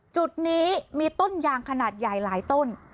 จุดนี้มีต้นยางขนาดใหญ่หลายต้น